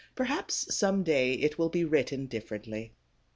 Perhaps some day it will be written differently.